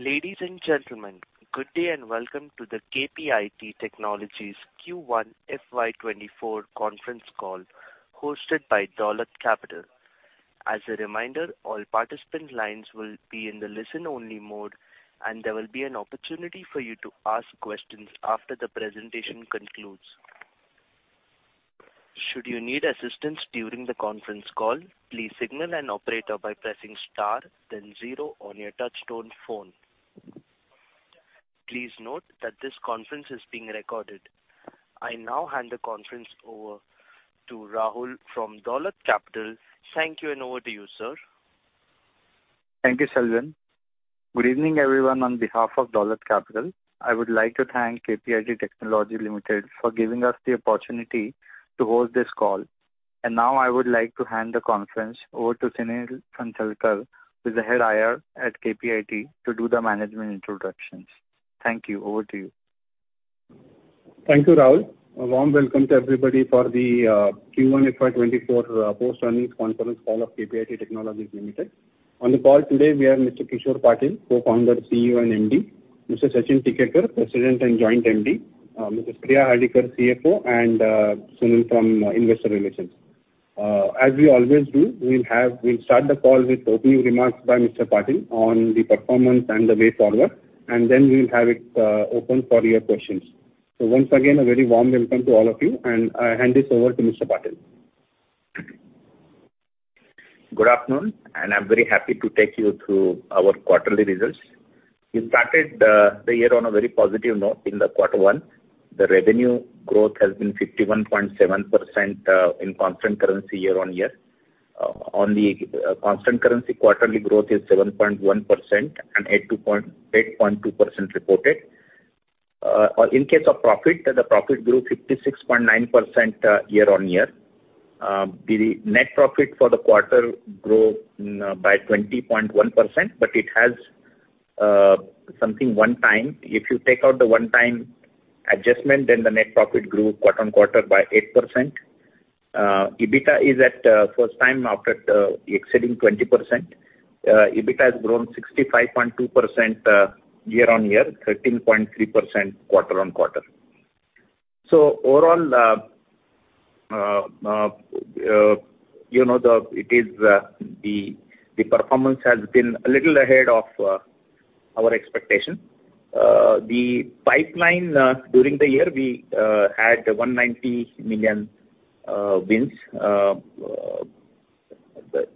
Ladies and gentlemen, good day and welcome to the KPIT Technologies Q1 FY24 conference call, hosted by Dolat Capital. As a reminder, all participant lines will be in the listen-only mode, and there will be an opportunity for you to ask questions after the presentation concludes. Should you need assistance during the conference call, please signal an operator by pressing star then 0 on your touchtone phone. Please note that this conference is being recorded. I now hand the conference over to Rahul from Dolat Capital. Thank you, and over to you, sir. Thank you, Selvin. Good evening, everyone. On behalf of Dolat Capital, I would like to thank KPIT Technologies Limited for giving us the opportunity to host this call. Now I would like to hand the conference over to Sunil Phansalkar, who is the Head IR at KPIT, to do the management introductions. Thank you. Over to you. Thank you, Rahul. A warm welcome to everybody for the Q1 FY 2024 post-earnings conference call of KPIT Technologies Limited. On the call today, we have Mr. Kishor Patil, Co-founder, CEO and MD, Mr. Sachin Tikekar, President and Joint MD, Mrs. Priya Hardikar, CFO, and Sunil from Investor Relations. As we always do, we'll start the call with opening remarks by Mr. Patil on the performance and the way forward, and then we'll have it open for your questions. Once again, a very warm welcome to all of you, and I hand this over to Mr. Patil. Good afternoon. I'm very happy to take you through our quarterly results. We started the year on a very positive note in Q1. The revenue growth has been 51.7% in constant currency year-on-year. On the constant currency, quarterly growth is 7.1% and 8.2% reported. In case of profit, the profit grew 56.9% year-on-year. The net profit for the quarter grew by 20.1%. It has something one time. If you take out the one-time adjustment, the net profit grew quarter-on-quarter by 8%. EBITDA is at first time after exceeding 20%. EBITDA has grown 65.2% year-over-year, 13.3% quarter-over-quarter. Overall, you know, it is the performance has been a little ahead of our expectation. The pipeline during the year, we had $190 million wins.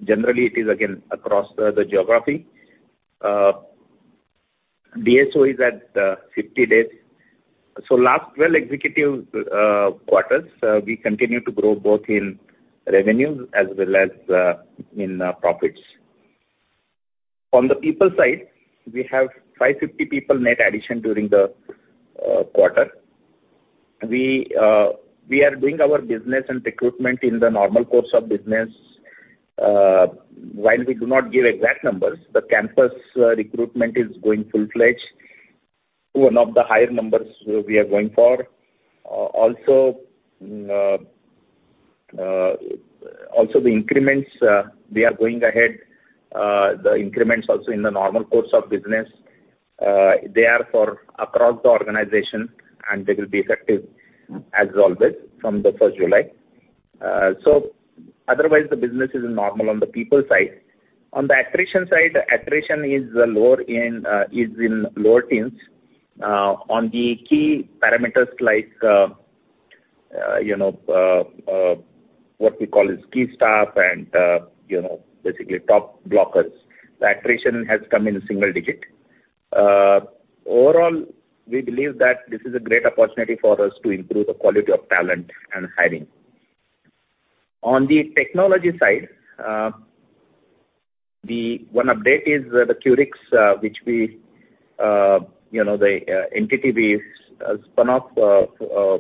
Generally, it is again across the geography. DSO is at 50 days. Last 12 executive quarters, we continue to grow both in revenues as well as in profits. On the people side, we have 550 people net addition during the quarter. We are doing our business and recruitment in the normal course of business. While we do not give exact numbers, the campus recruitment is going full-fledged to one of the higher numbers we are going for. Also the increments they are going ahead. The increments also in the normal course of business. They are for across the organization, they will be effective as always from the first July. Otherwise, the business is normal on the people side. On the attrition side, attrition is in low teens. On the key parameters like, you know, what we call as key staff and, you know, basically top blockers, the attrition has come in a single digit. Overall, we believe that this is a great opportunity for us to improve the quality of talent and hiring. On the technology side, the one update is the Qorix, which we, you know, the entity we spun off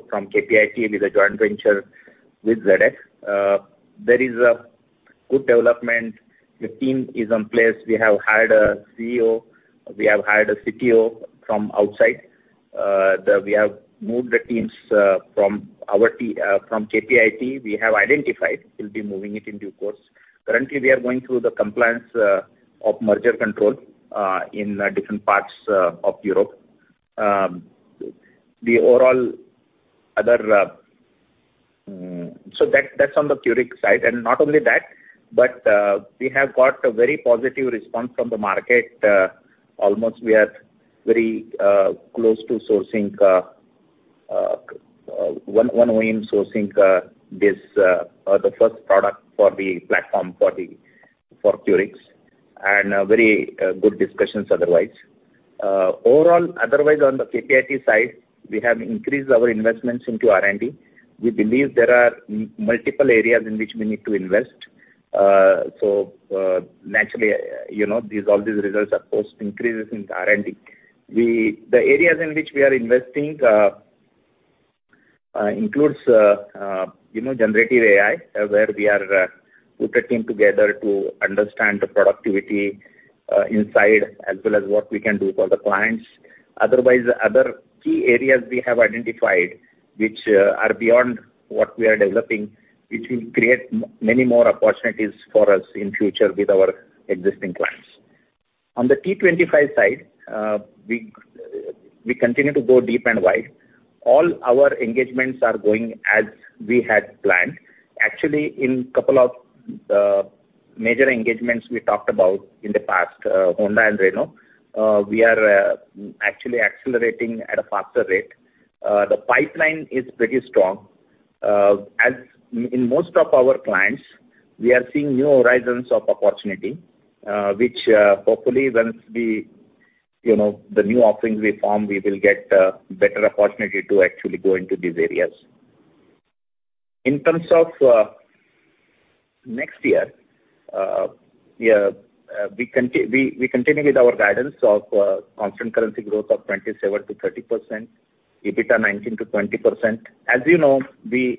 from KPIT is a joint venture with ZF. There is a good development. The team is in place. We have hired a CEO. We have hired a CTO from outside. We have moved the teams from KPIT. We have identified. We'll be moving it in due course. Currently, we are going through the compliance of merger control in different parts of Europe. The overall other... That, that's on the Qorix side. Not only that, but, we have got a very positive response from the market. Almost we are very close to sourcing 1 win sourcing this or the first product for the platform for Qorix, and very good discussions otherwise. Overall, otherwise, on the KPIT side, we have increased our investments into R&D. We believe there are multiple areas in which we need to invest. So, naturally, you know, these, all these results are post increases in the R&D. The areas in which we are investing includes, you know, generative AI, where we are put a team together to understand the productivity inside, as well as what we can do for the clients. otherwise, the other key areas we have identified, which are beyond what we are developing, which will create many more opportunities for us in future with our existing clients. On the T25 side, we continue to go deep and wide. All our engagements are going as we had planned. Actually, in couple of major engagements we talked about in the past, Honda and Renault, we are actually accelerating at a faster rate. The pipeline is pretty strong. As in most of our clients, we are seeing new horizons of opportunity, which hopefully once we, you know, the new offerings we form, we will get better opportunity to actually go into these areas. In terms of next year, we continue with our guidance of constant currency growth of 27%-30%, EBITDA 19%-20%. As you know, we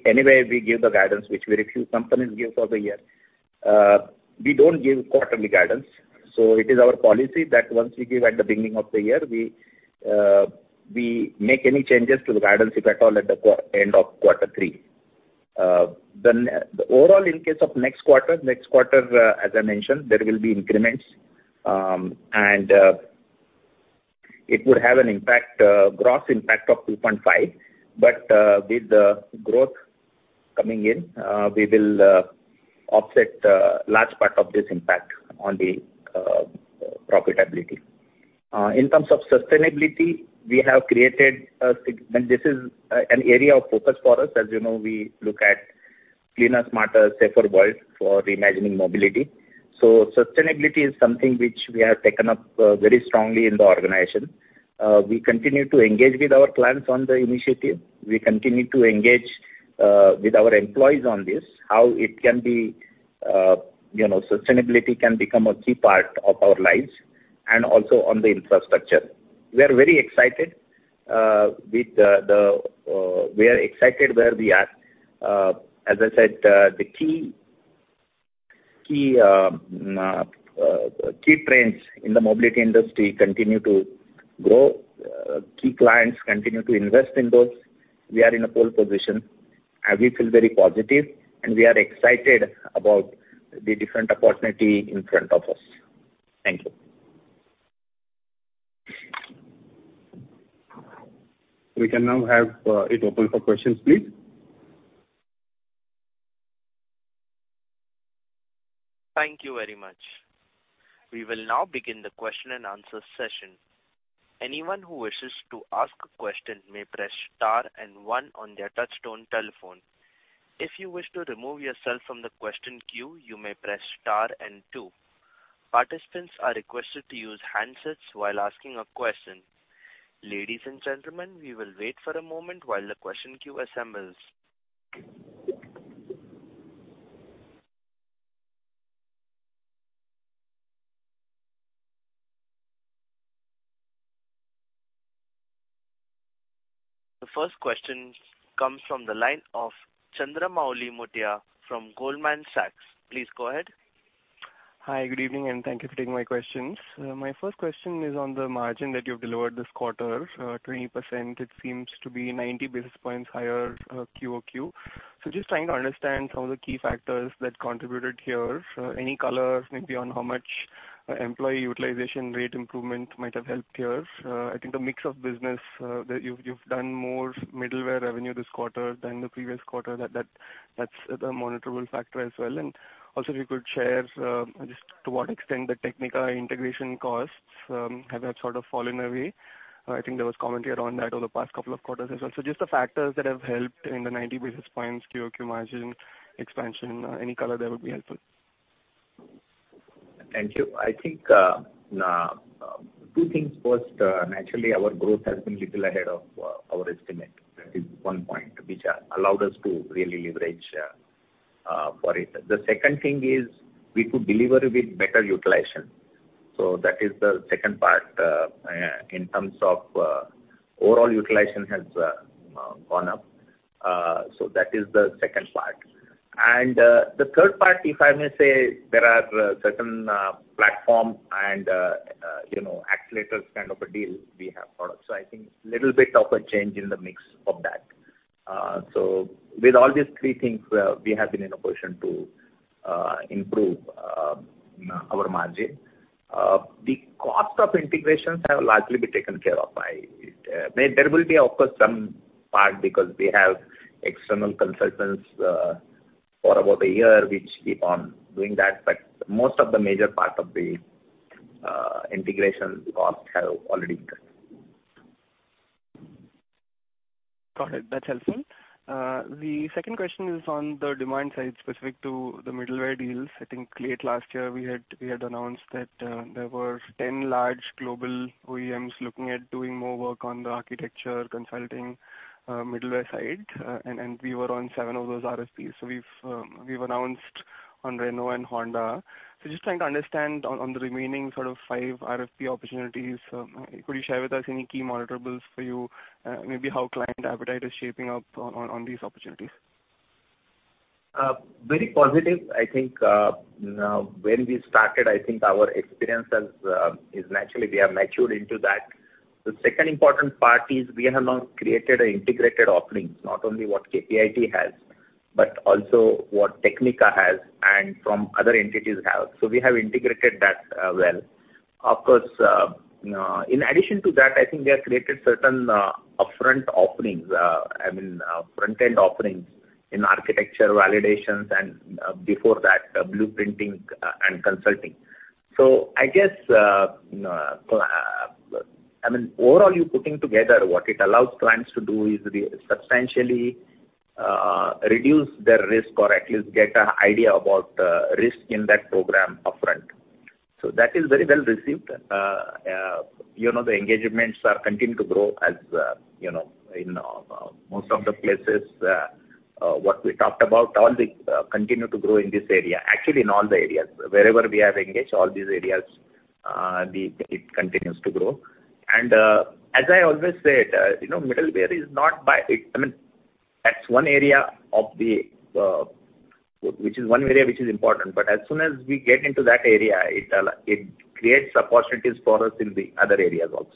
give the guidance, which very few companies give for the year. We don't give quarterly guidance, it is our policy that once we give at the beginning of the year, we make any changes to the guidance, if at all, at the end of quarter three. The overall, in case of next quarter, as I mentioned, there will be increments, and it would have an impact, gross impact of 2.5%. With the growth coming in, we will offset large part of this impact on the profitability. In terms of sustainability, we have created and this is an area of focus for us. As you know, we look at cleaner, smarter, safer world for reimagining mobility. Sustainability is something which we have taken up very strongly in the organization. We continue to engage with our clients on the initiative. We continue to engage with our employees on this, how it can be, you know, sustainability can become a key part of our lives and also on the infrastructure. We are very excited with the, we are excited where we are. As I said, the key trends in the mobility industry continue to grow. Key clients continue to invest in those. We are in a pole position, we feel very positive, and we are excited about the different opportunity in front of us. Thank you. We can now have it open for questions, please. Thank you very much. We will now begin the question and answer session. Anyone who wishes to ask a question may press star 1 on their touchtone telephone. If you wish to remove yourself from the question queue, you may press star 2. Participants are requested to use handsets while asking a question. Ladies and gentlemen, we will wait for a moment while the question queue assembles. The first question comes from the line of Chandramouli Muthiah from Goldman Sachs. Please go ahead. Hi, good evening, thank you for taking my questions. My first question is on the margin that you've delivered this quarter, 20%. It seems to be 90 basis points higher, QOQ. Just trying to understand some of the key factors that contributed here. Any colors maybe on how much employee utilization rate improvement might have helped here? I think the mix of business that you've done more middleware revenue this quarter than the previous quarter, that's a monitorable factor as well. Also, if you could share just to what extent the Technica integration costs have that sort of fallen away? I think there was commentary around that over the past couple of quarters as well. Just the factors that have helped in the 90 basis points QOQ margin expansion, any color there would be helpful. Thank you. I think two things. First, naturally, our growth has been little ahead of our estimate. That is one point which allowed us to really leverage for it. The second thing is we could deliver with better utilization. That is the second part, in terms of overall utilization has gone up. That is the second part. The third part, if I may say, there are certain platform and, you know, accelerators kind of a deal we have products. I think little bit of a change in the mix of that. With all these three things, we have been in a position to improve our margin. The cost of integrations have largely been taken care of by, there will be, of course, some part because we have external consultants, for about a year, which keep on doing that. Most of the major part of the integration costs have already been. Got it. That's helpful. The second question is on the demand side, specific to the middleware deals. I think late last year, we had announced that there were 10 large global OEMs looking at doing more work on the architecture, consulting, middleware side, and we were on 7 of those RFPs. We've announced on Renault and Honda. Just trying to understand on the remaining sort of 5 RFP opportunities, could you share with us any key monitorables for you? Maybe how client appetite is shaping up on these opportunities? Very positive. I think now, when we started, I think our experience has, is naturally we have matured into that. The second important part is we have now created an integrated offerings, not only what KPIT has, but also what Technica has, and from other entities have. We have integrated that well. Of course, in addition to that, I think we have created certain upfront offerings, I mean, front-end offerings in architecture validations, and before that, blueprinting and consulting. I guess, I mean, overall, you're putting together what it allows clients to do is substantially reduce their risk or at least get an idea about risk in that program upfront. That is very well received. You know, the engagements are continuing to grow as, you know, in most of the places, what we talked about, all the, continue to grow in this area. Actually, in all the areas. Wherever we are engaged, all these areas, it continues to grow. As I always said, you know, middleware is not by... I mean, that's one area of the, which is one area which is important, but as soon as we get into that area, it creates opportunities for us in the other areas also.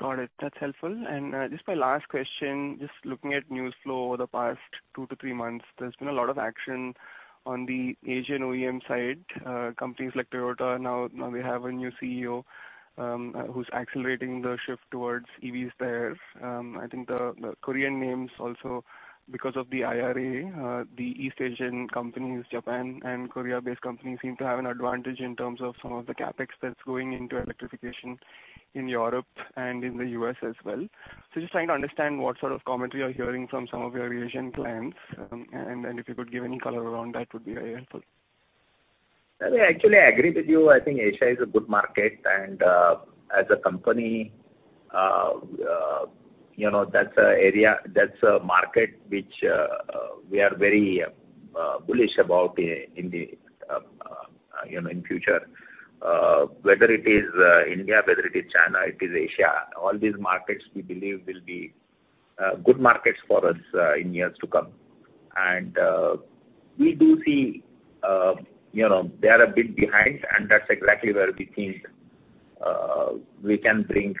Got it. That's helpful. Just my last question, just looking at news flow over the past two to three months, there's been a lot of action on the Asian OEM side. Companies like Toyota, now we have a new CEO, who's accelerating the shift towards EVs there. I think the Korean names also, because of the IRA, the East Asian companies, Japan and Korea-based companies, seem to have an advantage in terms of some of the CapEx that's going into electrification in Europe and in the U.S. as well. Just trying to understand what sort of commentary you're hearing from some of your Asian clients, and if you could give any color around that, would be very helpful. I actually agree with you. I think Asia is a good market, and as a company, you know, that's a market which we are very bullish about in the, you know, in future. Whether it is India, whether it is China, it is Asia, all these markets, we believe, will be good markets for us in years to come. We do see, you know, they are a bit behind, and that's exactly where we think we can bring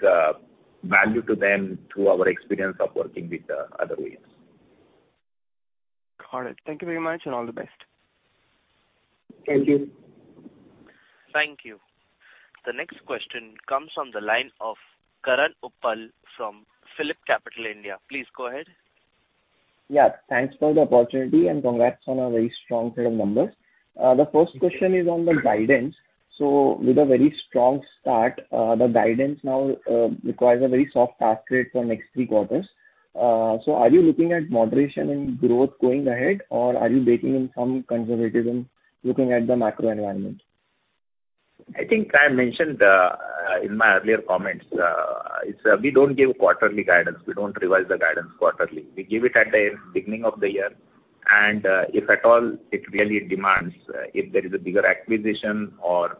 value to them through our experience of working with the other OEMs. Got it. Thank you very much, and all the best. Thank you. Thank you. The next question comes from the line of Karan Uppal from PhillipCapital India. Please go ahead. Yeah, thanks for the opportunity, congrats on a very strong set of numbers. The first question is on the guidance. With a very strong start, the guidance now requires a very soft pass rate for next three quarters. Are you looking at moderation in growth going ahead, or are you baking in some conservatism, looking at the macro environment? I think I mentioned in my earlier comments, it's we don't give quarterly guidance. We don't revise the guidance quarterly. We give it at the beginning of the year. If at all, it really demands, if there is a bigger acquisition or,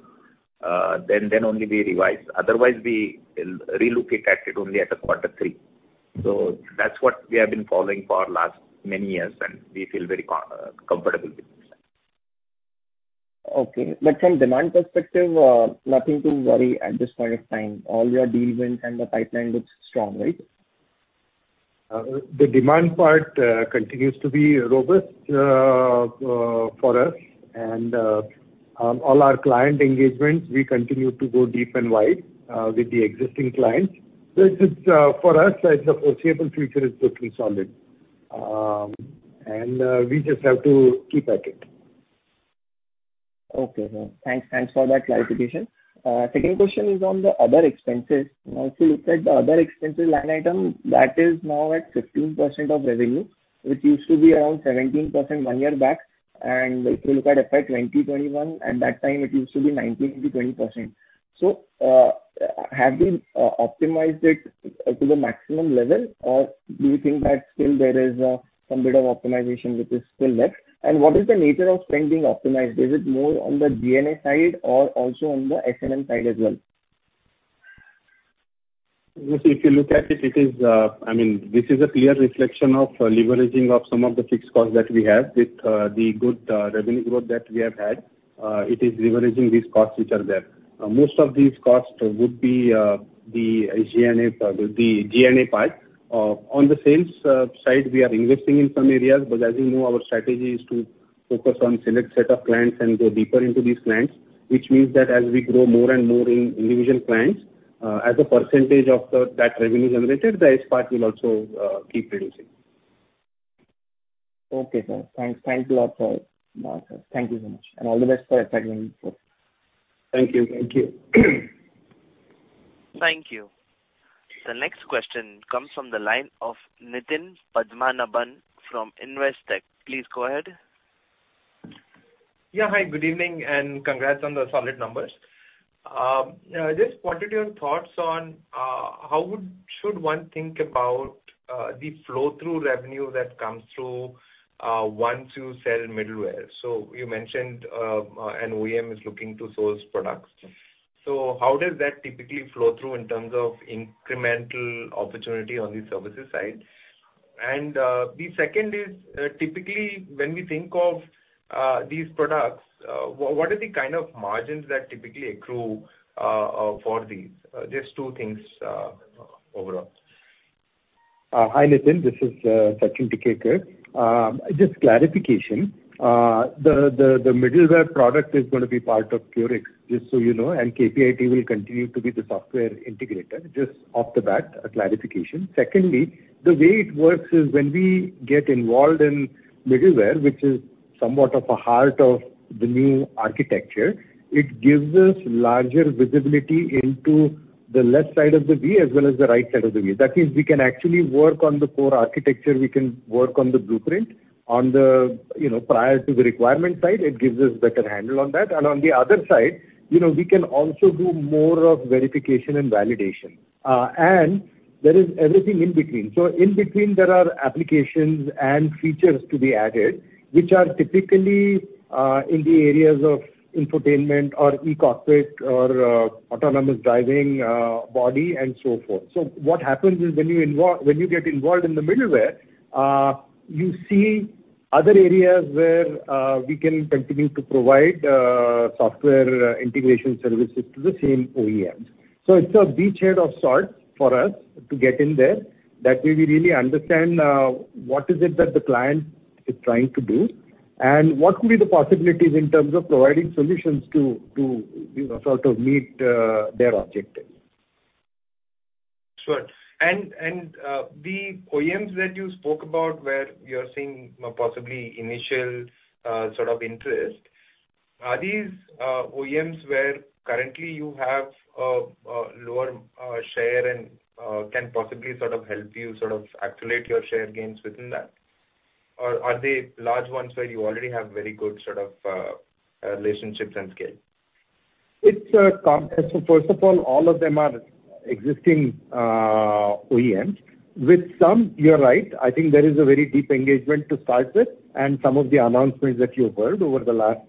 then only we revise. Otherwise, we relook at it only at a quarter three. That's what we have been following for last many years, and we feel very comfortable with this. Okay. From demand perspective, nothing to worry at this point of time. All your deal wins and the pipeline looks strong, right? The demand part continues to be robust for us. All our client engagements, we continue to go deep and wide with the existing clients. It is for us, as the foreseeable future is totally solid. We just have to keep at it. Okay, sir. Thanks. Thanks for that clarification. Second question is on the other expenses. Now, if you look at the other expenses line item, that is now at 15% of revenue, which used to be around 17% one year back. If you look at FY 2021, at that time, it used to be 19%-20%. Have you optimized it to the maximum level, or do you think that still there is some bit of optimization which is still left? And what is the nature of spending optimized? Is it more on the G&A side or also on the S&M side as well? If you look at it is, I mean, this is a clear reflection of leveraging of some of the fixed costs that we have with the good revenue growth that we have had. It is leveraging these costs which are there. Most of these costs would be the G&A, the G&A part. On the sales side, we are investing in some areas, but as you know, our strategy is to focus on select set of clients and go deeper into these clients, which means that as we grow more and more in individual clients, as a percentage of the, that revenue generated, the S part will also keep reducing. Okay, sir. Thanks. Thank you a lot for that. Thank you so much, and all the best for going forward. Thank you. Thank you. Thank you. The next question comes from the line of Nitin Padmanabhan from Investec. Please go ahead. Yeah, hi, good evening. Congrats on the solid numbers. Just wanted your thoughts on how should one think about the flow-through revenue that comes through once you sell middleware? You mentioned an OEM is looking to source products. ...How does that typically flow through in terms of incremental opportunity on the services side? The second is, typically, when we think of, these products, what are the kind of margins that typically accrue for these? Just two things, overall. Hi, Nitin. This is Sachin Tikekar. Just clarification, the middleware product is gonna be part of Qorix, just so you know, and KPIT will continue to be the software integrator, just off the bat, a clarification. Secondly, the way it works is when we get involved in middleware, which is somewhat of a heart of the new architecture, it gives us larger visibility into the left side of the V as well as the right side of the V. That means we can actually work on the core architecture, we can work on the blueprint, on the, you know, prior to the requirement side, it gives us better handle on that. On the other side, you know, we can also do more of verification and validation, and there is everything in between. In between, there are applications and features to be added, which are typically, in the areas of infotainment or e-cockpit or autonomous driving, body and so forth. What happens is when you get involved in the middleware, you see other areas where we can continue to provide software integration services to the same OEMs. It's a beachhead of sort for us to get in there, that way we really understand what is it that the client is trying to do, and what could be the possibilities in terms of providing solutions to, you know, sort of meet their objective. Sure. The OEMs that you spoke about, where you're seeing possibly initial, sort of interest, are these OEMs where currently you have, a lower, share and, can possibly sort of help you sort of accelerate your share gains within that? Or are they large ones where you already have very good sort of, relationships and scale? It's First of all of them are existing OEMs. With some, you're right, I think there is a very deep engagement to start with, and some of the announcements that you've heard over the last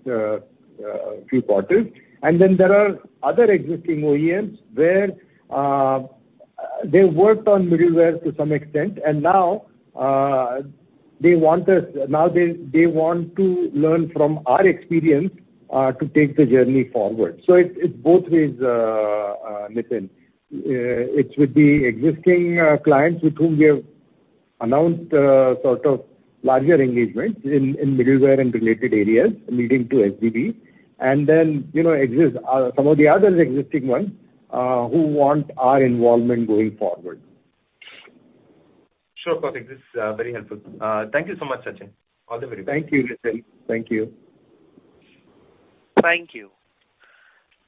few quarters. There are other existing OEMs where they worked on middleware to some extent, and now they want to learn from our experience to take the journey forward. It's, it's both ways, Nitin. It's with the existing clients with whom we have announced sort of larger engagements in middleware and related areas leading to SDV, and then, you know, some of the other existing ones who want our involvement going forward. Sure, perfect. This is very helpful. Thank you so much, Sachin. All the very best. Thank you, Nitin. Thank you. Thank you.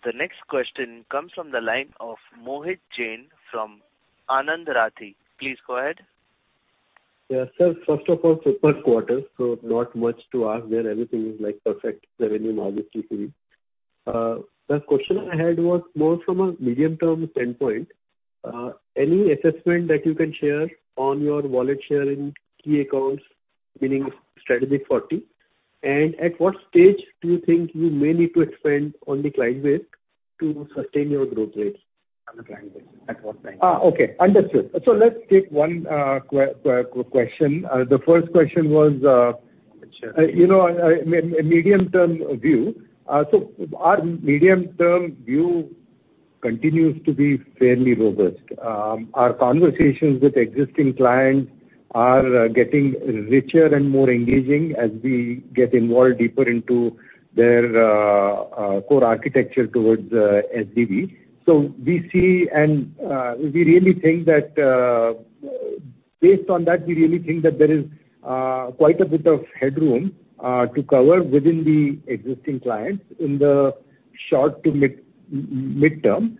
The next question comes from the line of Mohit Jain from Anand Rathi. Please go ahead. Yeah, sir, first of all, super quarter, so not much to ask there. Everything is, like, perfect, revenue, margin, GP. The question I had was more from a medium-term standpoint. Any assessment that you can share on your wallet share in key accounts, meaning strategic 40? At what stage do you think you may need to expand on the client base to sustain your growth rates on the client base, at what time? Okay, understood. Let's take one question. The first question was. Sure. You know, medium-term view. Our medium-term view continues to be fairly robust. Our conversations with existing clients are getting richer and more engaging as we get involved deeper into their core architecture towards SDV. We see and we really think that, based on that, we really think that there is quite a bit of headroom to cover within the existing clients in the short to mid term.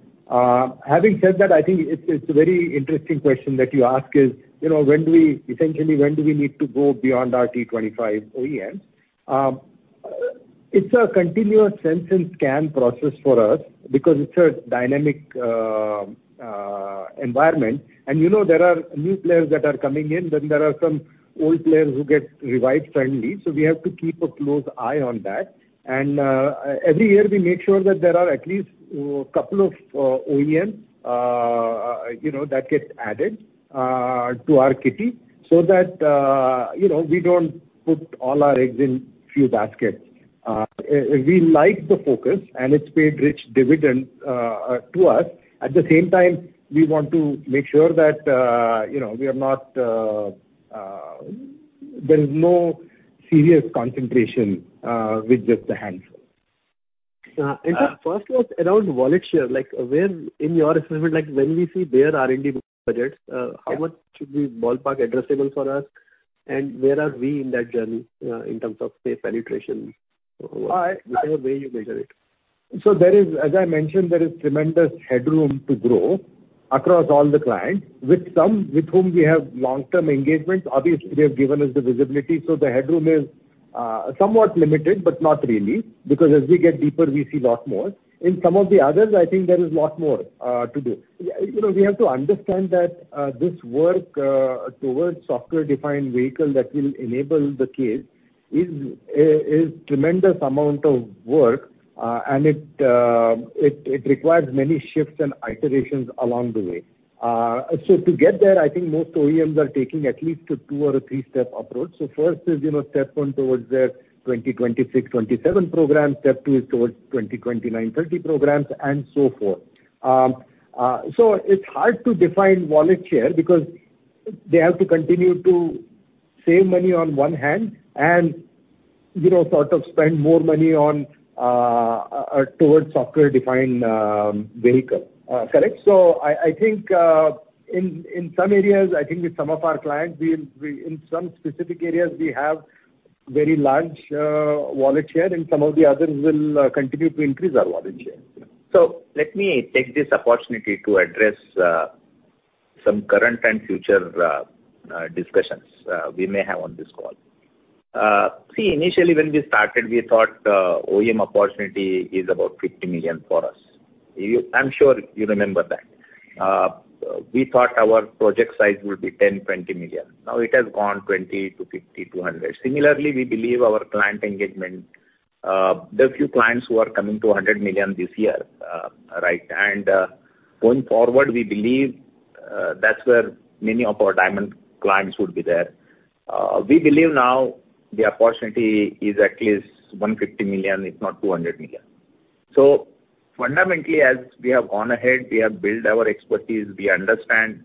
Having said that, I think it's a very interesting question that you ask is, you know, essentially, when do we need to go beyond our T25 OEMs? It's a continuous sense and scan process for us because it's a dynamic environment, and you know, there are new players that are coming in, then there are some old players who get revived suddenly. We have to keep a close eye on that. Every year we make sure that there are at least couple of OEMs, you know, that get added to our kitty, so that, you know, we don't put all our eggs in few baskets. We like the focus, and it's paid rich dividends to us. At the same time, we want to make sure that, you know, we are not. There's no serious concentration with just a handful. First was around wallet share, like, where in your assessment, like, when we see their R&D budgets. Yeah. How much should we ballpark addressable for us? Where are we in that journey, in terms of, say, penetration, whatever way you measure it? There is, as I mentioned, there is tremendous headroom to grow across all the clients. With some with whom we have long-term engagements, obviously, they have given us the visibility, so the headroom is somewhat limited, but not really, because as we get deeper, we see lot more. In some of the others, I think there is lot more to do. You know, we have to understand that this work towards software-defined vehicle that will enable the CASE-... is tremendous amount of work, and it requires many shifts and iterations along the way. To get there, I think most OEMs are taking at least a two or a three-step approach. First is, you know, step one towards their 2026, 2027 program. Step two is towards 2029, 2030 programs, and so forth. It's hard to define wallet share, because they have to continue to save money on one hand and, you know, sort of spend more money on towards software-defined vehicle. Correct? I think, in some areas, I think with some of our clients, we in some specific areas, we have very large wallet share, and some of the others will continue to increase our wallet share. Let me take this opportunity to address some current and future discussions we may have on this call. See, initially when we started, we thought OEM opportunity is about 50 million for us. I'm sure you remember that. We thought our project size would be 10 million, 20 million. Now it has gone 20 million to 50 million to 100 million. Similarly, we believe our client engagement, there are few clients who are coming to 100 million this year, right? Going forward, we believe that's where many of our diamond clients would be there. We believe now the opportunity is at least 150 million, if not 200 million. Fundamentally, as we have gone ahead, we have built our expertise, we understand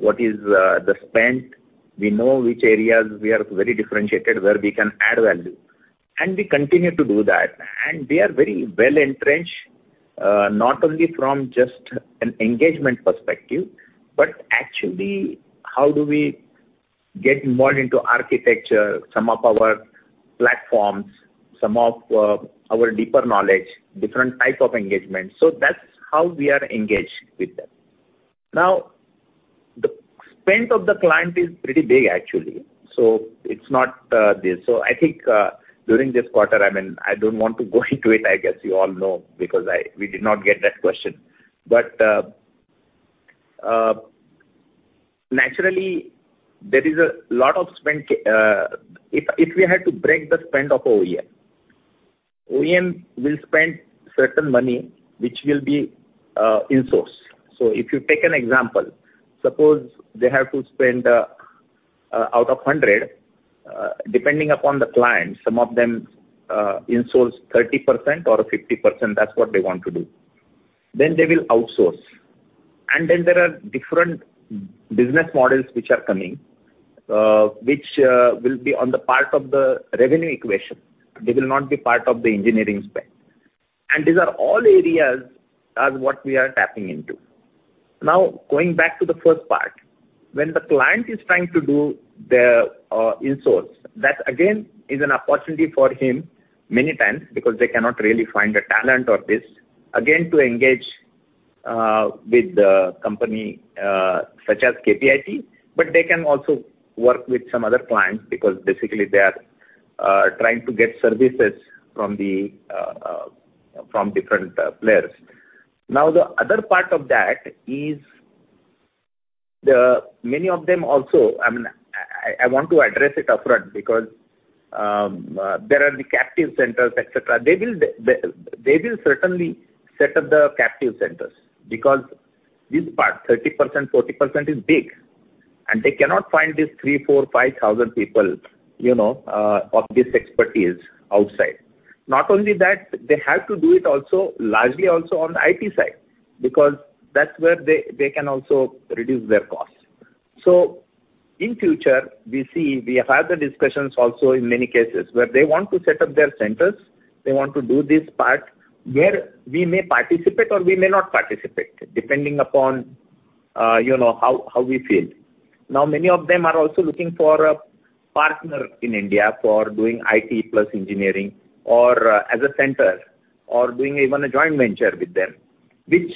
what is the spend. We know which areas we are very differentiated, where we can add value, and we continue to do that. We are very well entrenched, not only from just an engagement perspective, but actually, how do we get more into architecture, some of our platforms, some of our deeper knowledge, different type of engagement. That's how we are engaged with them. The spend of the client is pretty big, actually, so it's not this. I think, during this quarter, I mean, I don't want to go into it. I guess you all know, because we did not get that question. Naturally, there is a lot of spend if we had to break the spend of OEM. OEM will spend certain money, which will be in-source. If you take an example, suppose they have to spend, out of 100, depending upon the client, some of them, in-source 30% or 50%, that's what they want to do. They will outsource. There are different business models which are coming, which, will be on the part of the revenue equation. They will not be part of the engineering spend. These are all areas as what we are tapping into. Going back to the first part, when the client is trying to do the, in-source, that, again, is an opportunity for him many times, because they cannot really find the talent or this, again, to engage, with the company, such as KPIT. They can also work with some other clients, because basically they are trying to get services from different players. The other part of that is, many of them also, I mean, I want to address it upfront, because there are the captive centers, et cetera. They will certainly set up the captive centers, because this part, 30%, 40%, is big, and they cannot find these 3, 4, 5,000 people, you know, of this expertise outside. Not only that, they have to do it also, largely also on the IT side, because that's where they can also reduce their costs. In future, we see, we have had the discussions also in many cases, where they want to set up their centers. They want to do this part, where we may participate or we may not participate, depending upon, you know, how we feel. Many of them are also looking for a partner in India for doing IT plus engineering or as a center or doing even a joint venture with them, which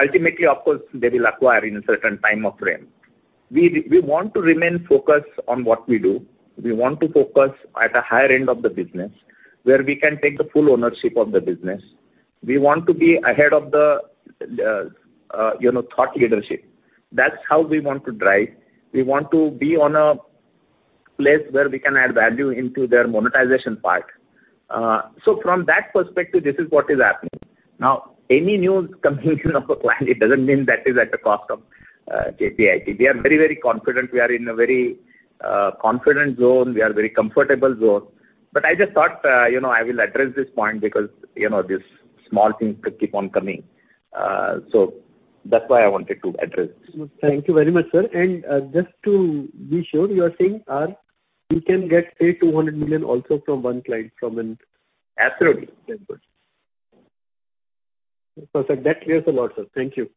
ultimately, of course, they will acquire in a certain time of frame. We want to remain focused on what we do. We want to focus at a higher end of the business, where we can take the full ownership of the business. We want to be ahead of the, you know, thought leadership. That's how we want to drive. We want to be on a place where we can add value into their monetization part. From that perspective, this is what is happening. Any news coming in of a client, it doesn't mean that is at the cost of KPIT. We are very, very confident. We are in a very confident zone. We are very comfortable zone. I just thought, you know, I will address this point because, you know, these small things could keep on coming. That's why I wanted to address. Thank you very much, sir. Just to be sure, you are saying, you can get, say, $200 million also from one client, from? Absolutely. Very good. Sir, that clears a lot, sir. Thank you.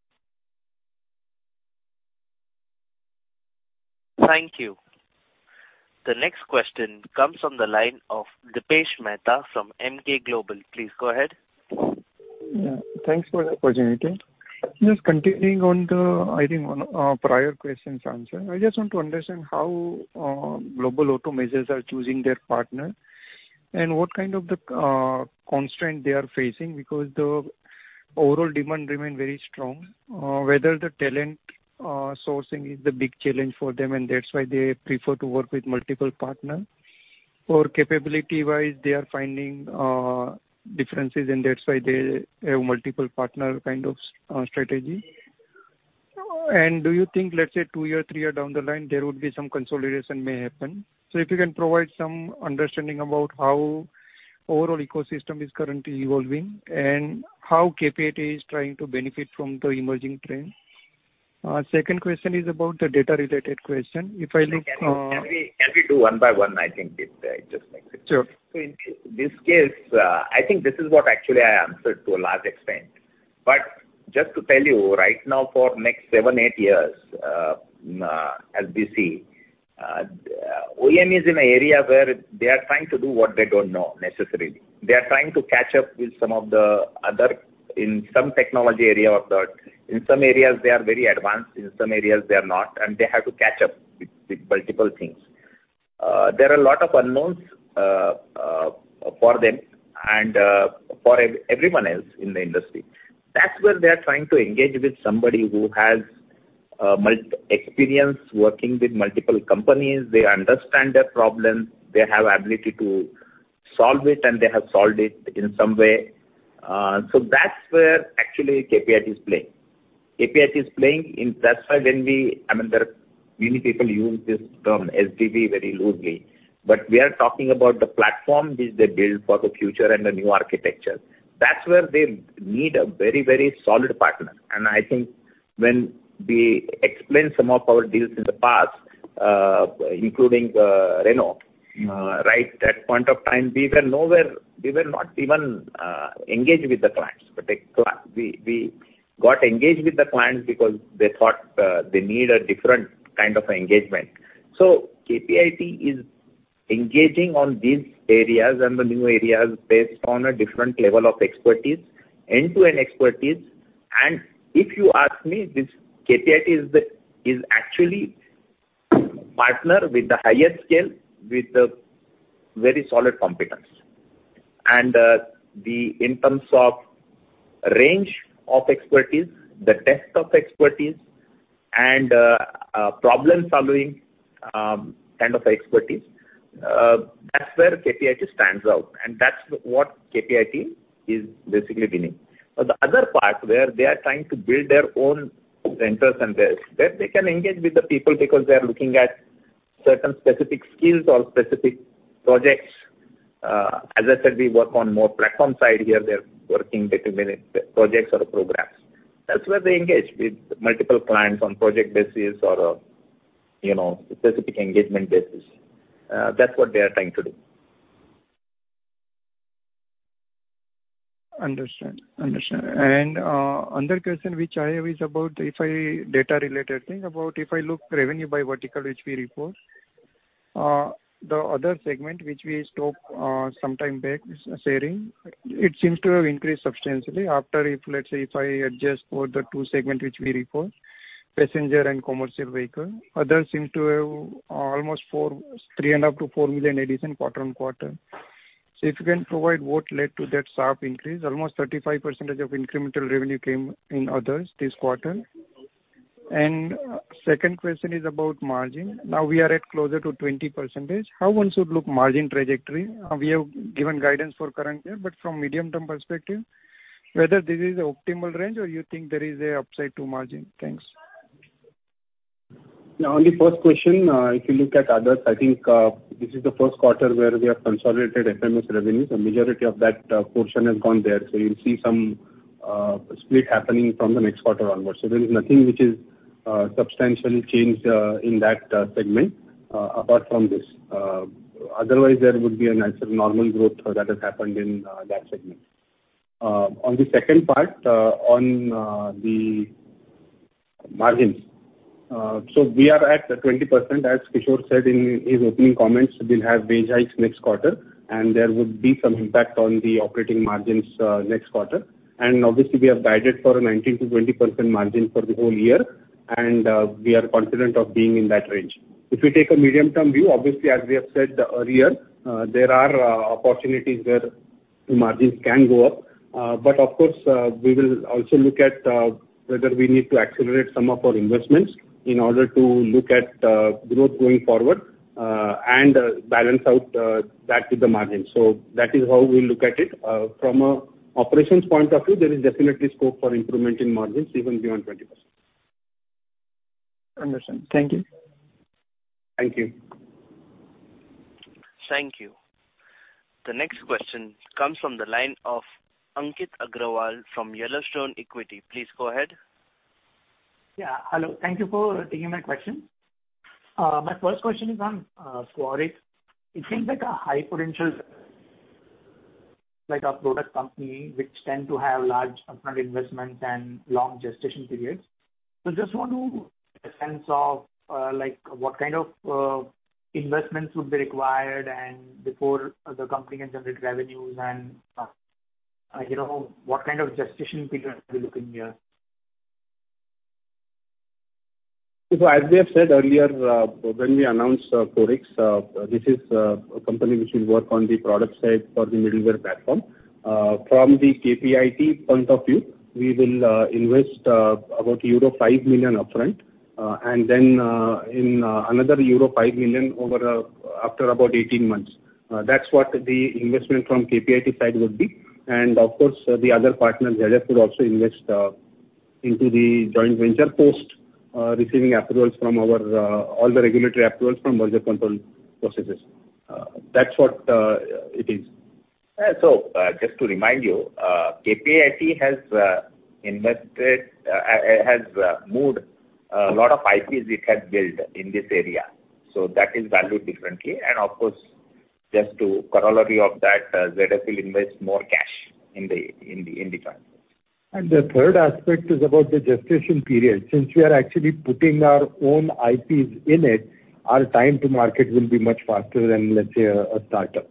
Thank you. The next question comes from the line of Dipesh Mehta from Emkay Global. Please go ahead. Yeah, thanks for the opportunity. Just continuing on the, I think, on prior questions answer. I just want to understand how global auto majors are choosing their partner? What kind of the constraint they are facing? Because the overall demand remain very strong, whether the talent sourcing is the big challenge for them, and that's why they prefer to work with multiple partners. Capability-wise, they are finding differences, and that's why they have multiple partner kind of strategy. Do you think, let's say, two year, three year down the line, there would be some consolidation may happen? If you can provide some understanding about how overall ecosystem is currently evolving, and how KPIT is trying to benefit from the emerging trends. Second question is about the data-related question. If I look. Can we do one by one? I think it just makes it. Sure. In this case, I think this is what actually I answered to a large extent. Just to tell you, right now for next 7, 8 years, as we see, OEM is in an area where they are trying to do what they don't know necessarily. They are trying to catch up with some of the other, in some technology area. In some areas they are very advanced, in some areas they are not, and they have to catch up with multiple things. There are a lot of unknowns for them and for everyone else in the industry. That's where they are trying to engage with somebody who has experience working with multiple companies. They understand their problems, they have ability to solve it, and they have solved it in some way. That's where actually KPIT is playing. KPIT is playing. That's why when we... I mean, there are many people use this term SDV very loosely. We are talking about the platform which they build for the future and the new architecture. That's where they need a very, very solid partner. I think when we explain some of our deals in the past, including Renault, right at point of time, we were nowhere. We were not even engaged with the clients. We got engaged with the clients because they thought they need a different kind of engagement. KPIT is engaging on these areas and the new areas based on a different level of expertise, end-to-end expertise. If you ask me, this KPIT is actually partner with the highest scale, with the very solid competence. In terms of range of expertise, the depth of expertise and problem-solving kind of expertise, that's where KPIT stands out, and that's what KPIT is basically winning. The other part, where they are trying to build their own centers and this, there they can engage with the people because they are looking at certain specific skills or specific projects. As I said, we work on more platform side here. They're working between the projects or programs. That's where they engage with multiple clients on project basis or, you know, specific engagement basis. That's what they are trying to do. Understand. Understand. Another question which I have is about data-related thing, about if I look revenue by vertical, which we report, the other segment, which we spoke sometime back, sharing, it seems to have increased substantially after if, let's say, if I adjust for the two segment which we report, passenger and commercial vehicle. Others seem to have almost 4, $3.5 million-$4 million addition quarter-on-quarter. If you can provide what led to that sharp increase, almost 35% of incremental revenue came in others this quarter. Second question is about margin. Now, we are at closer to 20%. How one should look margin trajectory? We have given guidance for current year, but from medium-term perspective, whether this is the optimal range, or you think there is a upside to margin? Thanks. On the first question, if you look at others, I think, this is the first quarter where we have consolidated FMS revenues. The majority of that portion has gone there. You'll see some split happening from the next quarter onwards. There is nothing which is substantially changed in that segment apart from this. Otherwise, there would be a nice, normal growth that has happened in that segment. On the second part, on the margins, we are at the 20%, as Kishor said in his opening comments. We'll have wage hikes next quarter, and there would be some impact on the operating margins next quarter. Obviously, we have guided for a 19%-20% margin for the whole year, and we are confident of being in that range. If you take a medium-term view, obviously, as we have said earlier, there are opportunities where margins can go up. Of course, we will also look at whether we need to accelerate some of our investments in order to look at growth going forward, and balance out that with the margin. That is how we look at it. From an operations point of view, there is definitely scope for improvement in margins, even beyond 20%. Understand. Thank you. Thank you. Thank you. The next question comes from the line of Ankit Agrawal from Yellowstone Equity. Please go ahead. Yeah, hello. Thank you for taking my question. My first question is on Qorix. It seems like a high potential, like a product company, which tend to have large upfront investments and long gestation periods. Just want to get a sense of, like, what kind of investments would be required and before the company can generate revenues and, you know, what kind of gestation period are we looking here? As we have said earlier, when we announced Qorix, this is a company which will work on the product side for the middleware platform. From the KPIT point of view, we will invest about euro 5 million upfront, and then in another euro 5 million over after about 18 months. That's what the investment from KPIT side would be. Of course, the other partners, ZF would also invest into the joint venture post receiving approvals from our all the regulatory approvals from merger control processes. That's what it is. Just to remind you, KPIT has moved a lot of IPs it has built in this area, that is valued differently. Of course, just to corollary of that, ZF will invest more cash in the time. The third aspect is about the gestation period. Since we are actually putting our own IPs in it, our time to market will be much faster than, let's say, a start-up.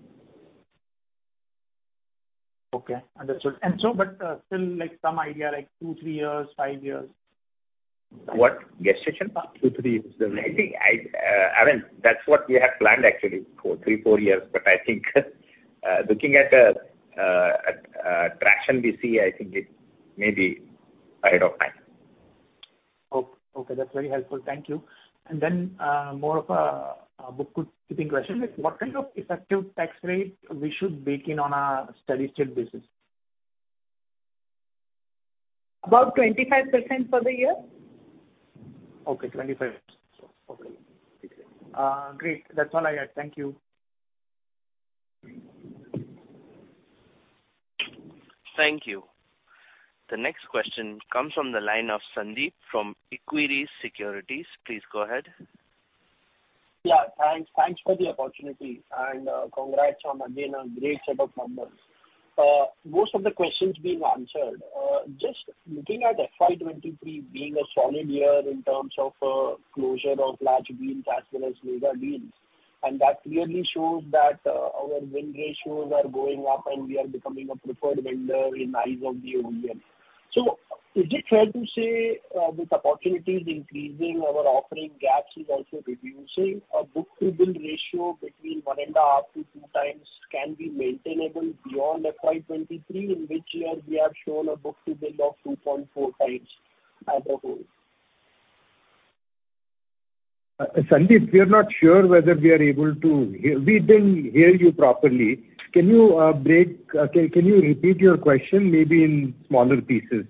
Okay, understood. Still, like, some idea, like 2, 3 years, 5 years? What? Gestation? Two, three years. I think, I mean, that's what we have planned actually, for three, four years. I think, looking at the traction we see, I think it may be ahead of time. Okay, that's very helpful. Thank you. Then, more of a bookkeeping question. What kind of effective tax rate we should bake in on a steady-state basis? About 25% for the year. Okay, 25. Okay. Great. That's all I had. Thank you. Thank you. The next question comes from the line of Sandeep from Equirus Securities. Please go ahead. Yeah, thanks. Thanks for the opportunity, congrats on again, a great set of numbers. Most of the questions being answered. Just looking at FY 2023 being a solid year in terms of closure of large deals as well as mega deals, that clearly shows that our win ratios are going up, and we are becoming a preferred vendor in eyes of the OEM. Is it fair to say with opportunities increasing, our offering gaps is also reducing? A book-to-bill ratio between 1.5-2 times can be maintainable beyond FY 2023, in which year we have shown a book-to-bill of 2.4 times as a whole. Sandeep, we are not sure whether we are able to hear. We didn't hear you properly. Can you repeat your question maybe in smaller pieces?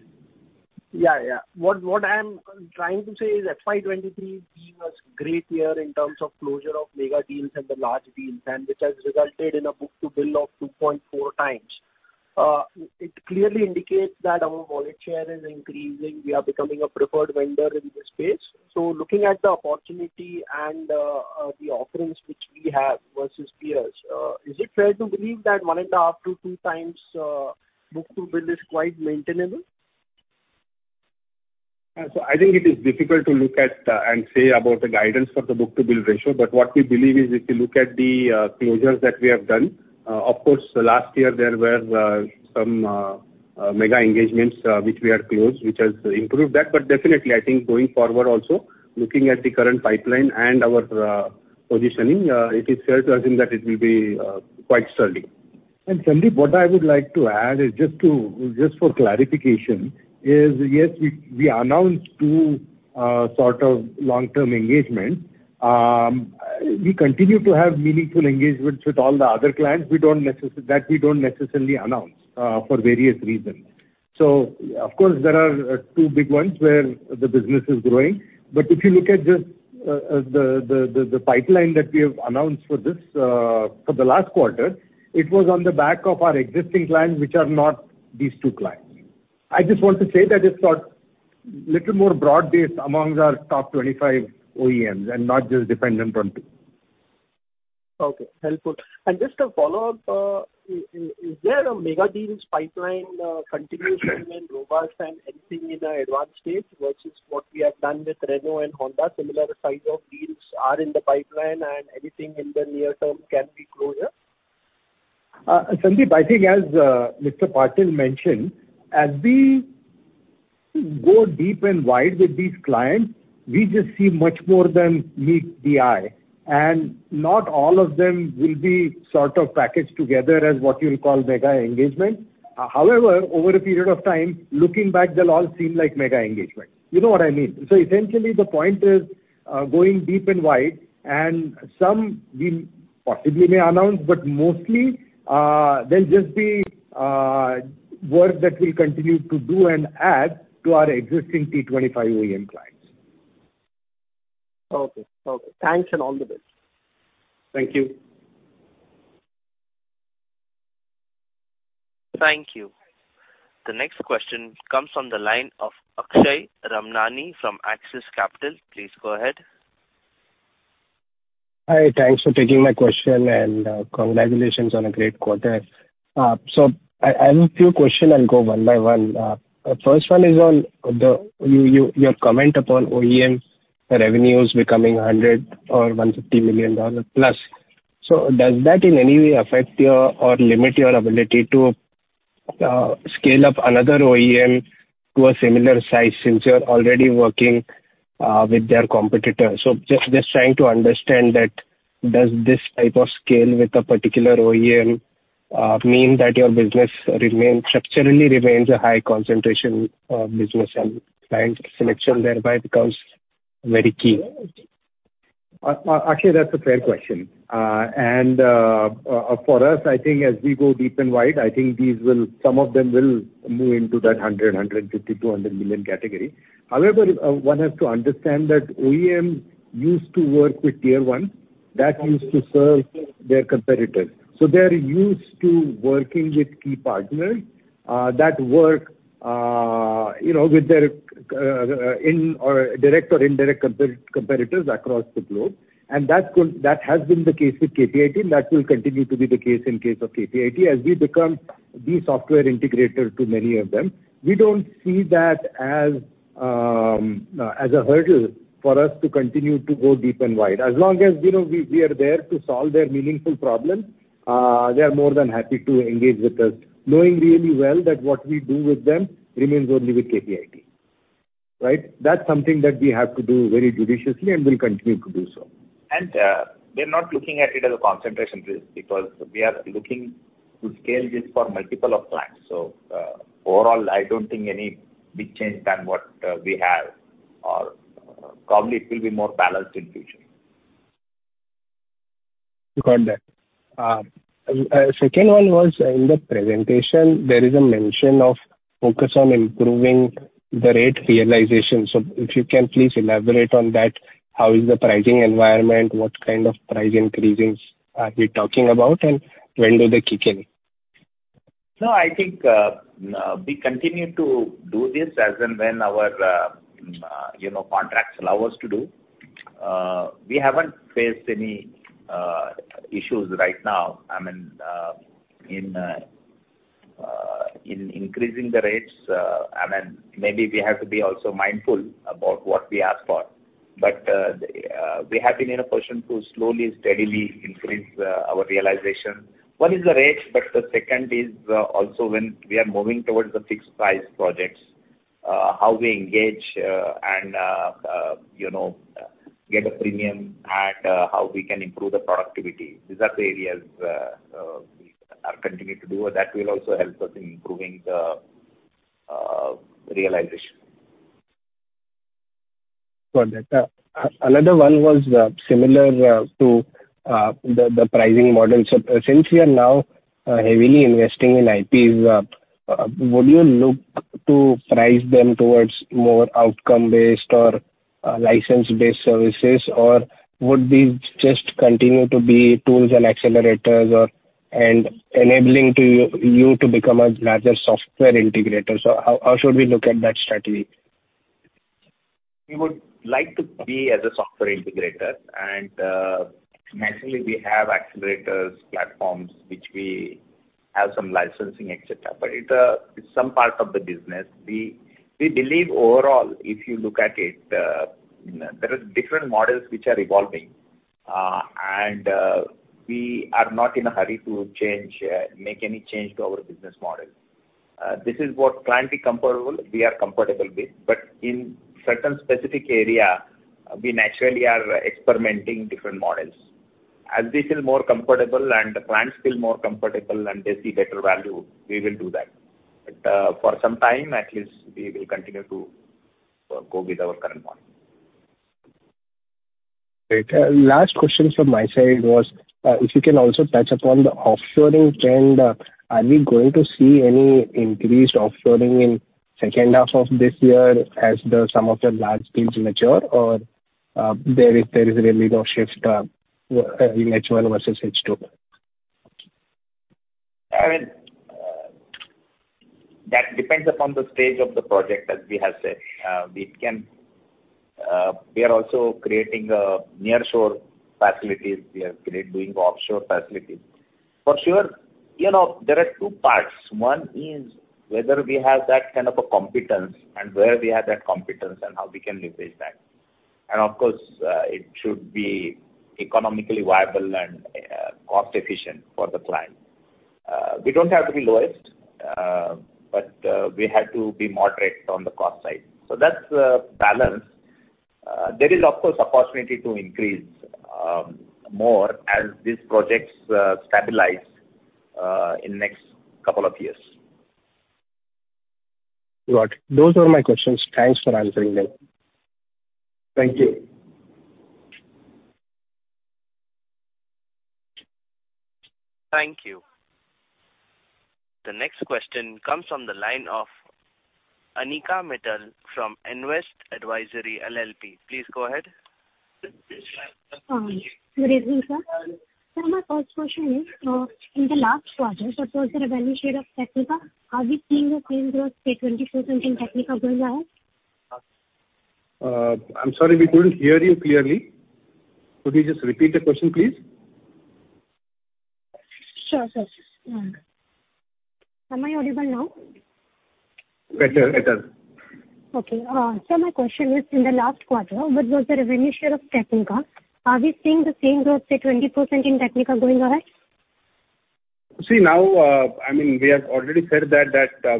Yeah, yeah. What I am trying to say is, FY 2023 being a great year in terms of closure of mega deals and the large deals, and which has resulted in a book-to-bill of 2.4 times. It clearly indicates that our market share is increasing. We are becoming a preferred vendor in this space. Looking at the opportunity and the offerings which we have versus peers, is it fair to believe that 1.5 to 2 times book-to-bill is quite maintainable? I think it is difficult to look at and say about the guidance for the book-to-bill ratio. What we believe is, if you look at the closures that we have done, of course, last year there were some mega engagements which we had closed, which has improved that. Definitely, I think going forward also, looking at the current pipeline and our positioning, it is fair to assume that it will be quite sturdy. Sandeep, what I would like to add is just to, just for clarification, is yes, we announced 2 sort of long-term engagements. We continue to have meaningful engagements with all the other clients. We don't necessarily announce for various reasons. Of course, there are 2 big ones where the business is growing. If you look at just the pipeline that we have announced for this for the last quarter, it was on the back of our existing clients, which are not these 2 clients. I just want to say that it's got little more broad-based among our top 25 OEMs and not just dependent on 2. Okay, helpful. Just a follow-up, is there a mega deals pipeline, continuing strong and robust, and anything in the advanced stage versus what we have done with Renault and Honda? Similar size of deals are in the pipeline, and anything in the near term can be closure? Sandeep, I think as Mr. Patil mentioned, as we go deep and wide with these clients, we just see much more than meets the eye. Not all of them will be sort of packaged together as what you'll call mega engagement. However, over a period of time, looking back, they'll all seem like mega engagement. You know what I mean? Essentially, the point is, going deep and wide, and some we possibly may announce, but mostly, they'll just be, work that we'll continue to do and add to our existing T25 OEM clients. Okay. Okay, thanks and all the best. Thank you. Thank you. The next question comes from the line of Akshay Ramnani from Axis Capital. Please go ahead. Hi, thanks for taking my question, and congratulations on a great quarter. I have a few question. I'll go one by one. First one is on your comment upon OEM revenues becoming $100 million or $150 million plus. Does that in any way affect your or limit your ability to.... scale up another OEM to a similar size, since you're already working with their competitors. Just trying to understand that, does this type of scale with a particular OEM mean that your business remains, structurally remains a high concentration of business and client selection thereby becomes very key? Actually, that's a fair question. For us, I think as we go deep and wide, I think some of them will move into that 100 million, 150 million to 200 million category. However, one has to understand that OEM used to work with Tier 1, that used to serve their competitors. They are used to working with key partners, that work, you know, with their in or direct or indirect competitors across the globe. That has been the case with KPIT, and that will continue to be the case in case of KPIT. As we become the software integrator to many of them, we don't see that as a hurdle for us to continue to go deep and wide. As long as, you know, we are there to solve their meaningful problems, they are more than happy to engage with us, knowing really well that what we do with them remains only with KPIT, right? That's something that we have to do very judiciously and will continue to do so. We are not looking at it as a concentration risk, because we are looking to scale this for multiple of clients. Overall, I don't think any big change than what we have, or probably it will be more balanced in future. Got that. Second one was: in the presentation, there is a mention of focus on improving the rate realization. If you can please elaborate on that. How is the pricing environment? What kind of price increases are we talking about, and when do they kick in? I think, we continue to do this as and when our, you know, contracts allow us to do. We haven't faced any issues right now, I mean, in increasing the rates. I mean, maybe we have to be also mindful about what we ask for. We have been in a position to slowly, steadily increase our realization. One is the rates, but the second is also when we are moving towards the fixed price projects, how we engage, and, you know, get a premium at, how we can improve the productivity. These are the areas we are continuing to do, that will also help us in improving the realization. Got that. Another one was, similar, to, the pricing model. Since we are now, heavily investing in IPs, would you look to price them towards more outcome-based or, license-based services? Or would these just continue to be tools and accelerators and enabling to you to become a larger software integrator? How should we look at that strategy? We would like to be as a software integrator, and naturally, we have accelerators, platforms, which we have some licensing, et cetera, but it's some part of the business. We believe overall, if you look at it, there are different models which are evolving, and we are not in a hurry to change, make any change to our business model. This is what client be comfortable, we are comfortable with. In certain specific area, we naturally are experimenting different models. As we feel more comfortable and the clients feel more comfortable and they see better value, we will do that. For some time at least, we will continue to go with our current model. Great. Last question from my side was, if you can also touch upon the offshoring trend. Are we going to see any increased offshoring in second half of this year as the some of the large deals mature, or, there is a little bit of shift, in H1 versus H2? I mean, that depends upon the stage of the project, as we have said. We are also creating nearshore facilities. We are doing offshore facilities. For sure, you know, there are two parts. One is whether we have that kind of a competence and where we have that competence and how we can leverage that. Of course, it should be economically viable and cost efficient for the client. We don't have to be lowest, but we have to be moderate on the cost side. That's the balance. There is, of course, opportunity to increase more as these projects stabilize in next couple of years. Got it. Those are my questions. Thanks for answering them. Thank you. Thank you. The next question comes from the line of Anika Mittal from Invesco Advisory LLP. Please go ahead. Hi. Good evening, sir. My first question is, in the last quarter, towards the revenue share of Technica, are we seeing a trend where, say, 24 something Technica goes up? I'm sorry, we couldn't hear you clearly. Could you just repeat the question, please? Sure. Am I audible now? Better. Okay. My question is, in the last quarter, what was the revenue share of Technica? Are we seeing the same growth, say, 20% in Technica going ahead? See, now, I mean, we have already said that,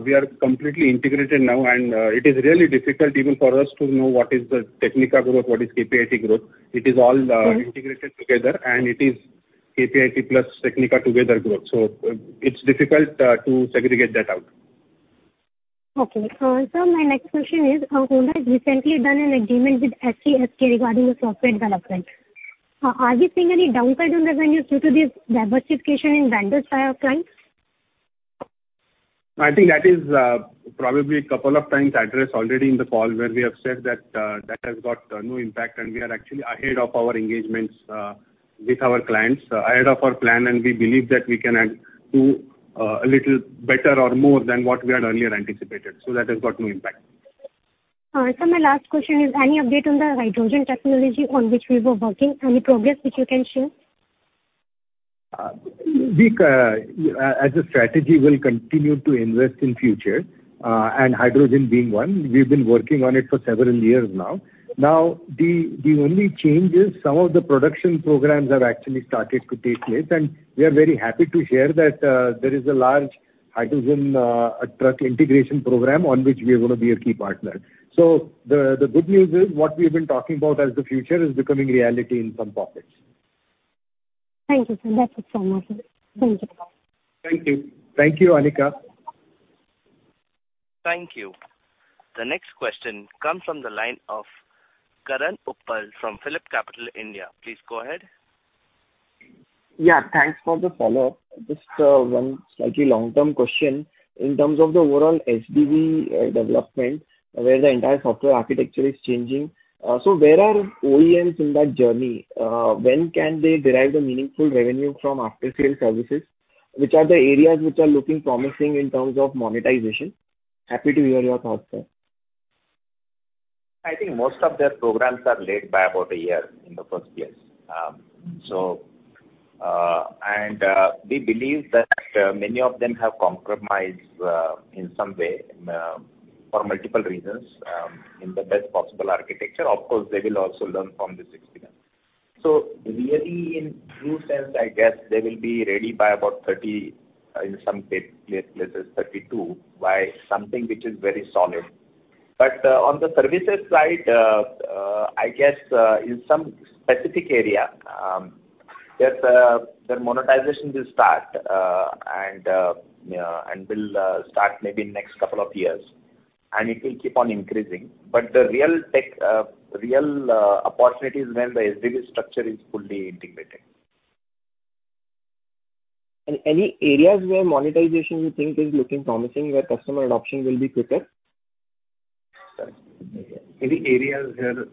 we are completely integrated now, and, it is really difficult even for us to know what is the Technica growth, what is KPIT growth. It is all. Mm-hmm. Integrated together, it is KPIT plus Technica together growth. It's difficult to segregate that out. Sir, my next question is, Honda has recently done an agreement with SCSK regarding the software development. Are we seeing any downside on the revenues due to this diversification in vendors by our clients? I think that is probably a couple of times addressed already in the call, where we have said that that has got no impact, and we are actually ahead of our engagements with our clients ahead of our plan, and we believe that we can add to a little better or more than what we had earlier anticipated, so that has got no impact. Sir, my last question is, any update on the hydrogen technology on which we were working? Any progress which you can share? We, as a strategy, will continue to invest in future, and hydrogen being one. We've been working on it for several years now. Now, the only change is some of the production programs have actually started to take place, and we are very happy to share that, there is a large hydrogen, truck integration program on which we are gonna be a key partner. The good news is, what we've been talking about as the future is becoming reality in some pockets. Thank you, sir. That's it from us. Thank you. Thank you. Thank you, Anika. Thank you. The next question comes from the line of Karan Uppal from PhillipCapital India. Please go ahead. Yeah, thanks for the follow-up. Just, 1 slightly long-term question. In terms of the overall SDV development, where the entire software architecture is changing, where are OEMs in that journey? When can they derive the meaningful revenue from after-sale services? Which are the areas which are looking promising in terms of monetization? Happy to hear your thoughts, sir. I think most of their programs are late by about 1 year in the first place. We believe that many of them have compromised in some way for multiple reasons in the best possible architecture. Of course, they will also learn from this experience. Really, in true sense, I guess they will be ready by about 30, in some cases, places, 32, by something which is very solid. On the services side, I guess, in some specific area, yes, the monetization will start and will start maybe next couple of years, and it will keep on increasing. The real tech, real opportunity is when the SDV structure is fully integrated. Any areas where monetization, you think, is looking promising, where customer adoption will be quicker? Any areas where,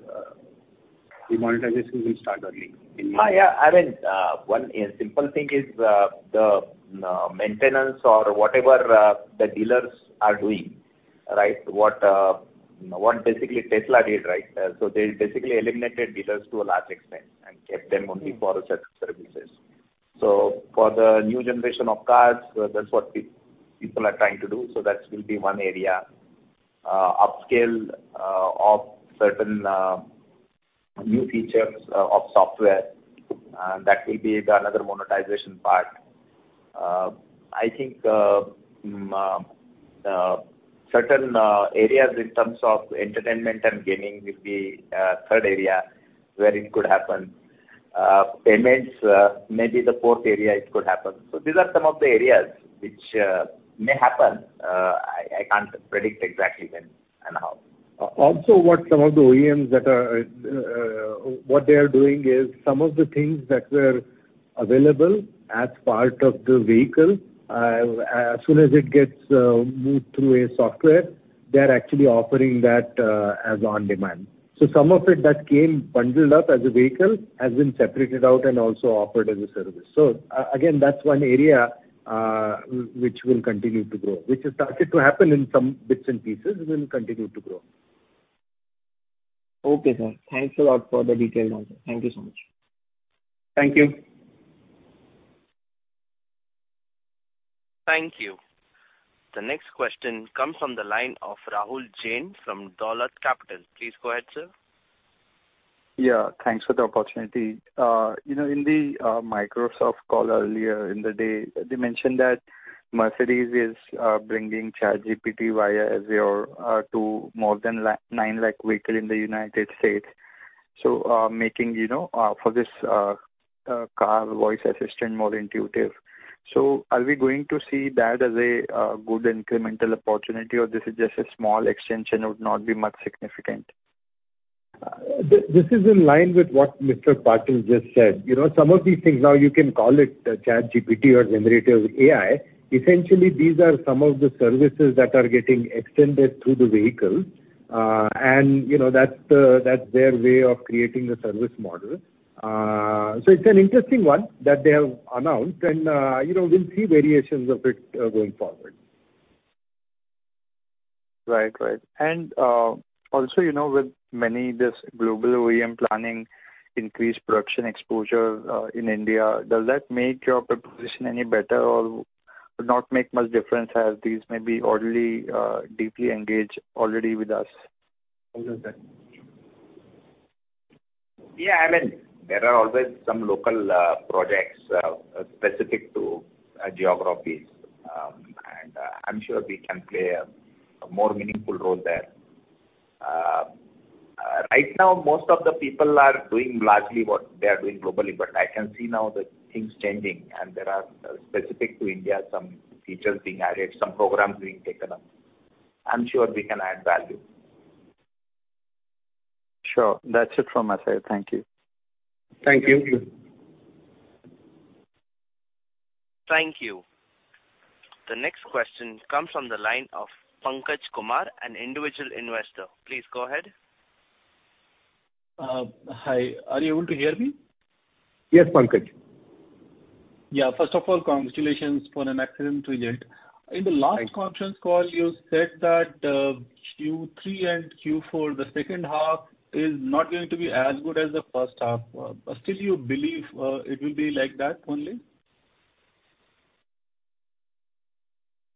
the monetization will start early in-. Yeah. I mean, one simple thing is the maintenance or whatever the dealers are doing, right? What basically Tesla did, right? They basically eliminated dealers to a large extent and kept them only for certain services. For the new generation of cars, that's what people are trying to do, so that will be one area. Upscale of certain new features of software, that will be the another monetization part. I think certain areas in terms of entertainment and gaming will be third area where it could happen. Payments may be the fourth area it could happen. These are some of the areas which may happen. I can't predict exactly when and how. Also, what they are doing is some of the things that were available as part of the vehicle, as soon as it gets moved through a software, they're actually offering that as on demand. Again, that's one area which will continue to grow, which has started to happen in some bits and pieces, will continue to grow. Okay, sir. Thanks a lot for the detailed answer. Thank you so much. Thank you. Thank you. The next question comes from the line of Rahul Jain from Dolat Capital. Please go ahead, sir. Yeah, thanks for the opportunity. you know, in the Microsoft call earlier in the day, they mentioned that Mercedes-Benz is bringing ChatGPT via Azure to more than 900,000 vehicles in the United States. making, you know, for this car voice assistant more intuitive. are we going to see that as a good incremental opportunity, or this is just a small extension, would not be much significant? This is in line with what Mr. Patil just said. You know, some of these things, now you can call it ChatGPT or generative AI. Essentially, these are some of the services that are getting extended through the vehicles. You know, that's their way of creating a service model. It's an interesting one that they have announced, and you know, we'll see variations of it going forward. Right. Right. Also, you know, with many this global OEM planning increased production exposure, in India, does that make your proposition any better or would not make much difference, as these may be already, deeply engaged already with us? How is that? Yeah, I mean, there are always some local projects specific to geographies. I'm sure we can play a more meaningful role there. Right now, most of the people are doing largely what they are doing globally, but I can see now the things changing, and there are specific to India, some features being added, some programs being taken up. I'm sure we can add value. Sure. That's it from my side. Thank you. Thank you. Thank you. The next question comes from the line of Pankaj Kumar, an individual investor. Please go ahead. Hi. Are you able to hear me? Yes, Pankaj. Yeah, first of all, congratulations for an excellent result. Thank you. In the last conference call, you said that, Q3 and Q4, the second half is not going to be as good as the first half. Still you believe, it will be like that only?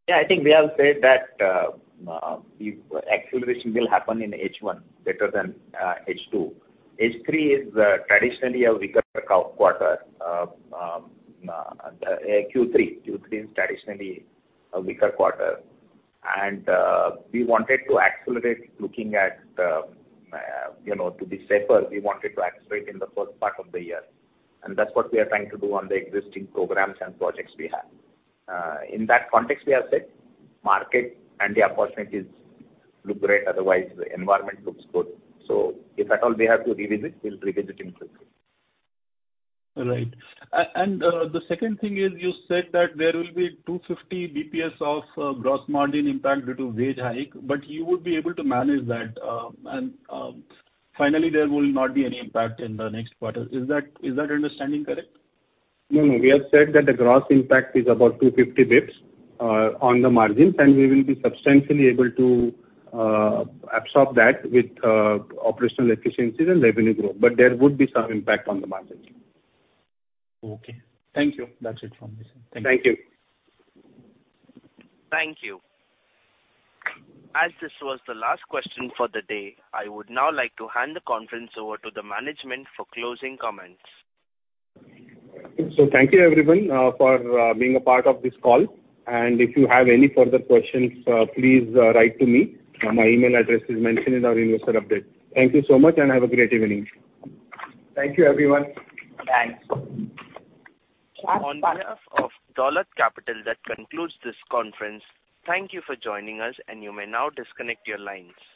Yeah, I think we have said that the acceleration will happen in H1, better than H2. H3 is traditionally a weaker quarter. Q3 is traditionally a weaker quarter, and we wanted to accelerate looking at, you know, to be safer, we wanted to accelerate in the first part of the year, and that's what we are trying to do on the existing programs and projects we have. In that context, we have said market and the opportunities look great, otherwise the environment looks good. If at all we have to revisit, we'll revisit it quickly. All right. The second thing is, you said that there will be 250 BPS of gross margin impact due to wage hike, but you would be able to manage that. Finally, there will not be any impact in the next quarter. Is that understanding correct? No, no. We have said that the gross impact is about 250 BPS on the margins. We will be substantially able to absorb that with operational efficiencies and revenue growth, but there would be some impact on the margins. Okay. Thank you. That's it from me, sir. Thank you. Thank you. As this was the last question for the day, I would now like to hand the conference over to the management for closing comments. Thank you, everyone, for being a part of this call, and if you have any further questions, please write to me. My email address is mentioned in our investor update. Thank you so much, and have a great evening. Thank you, everyone. Thanks. On behalf of Dolat Capital, that concludes this conference. Thank you for joining us. You may now disconnect your lines.